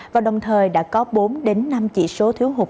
và đồng thời đã có bốn năm chỉ số thiếu hồn